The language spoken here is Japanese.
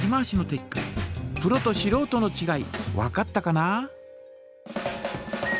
プロとしろうとのちがいわかったかな？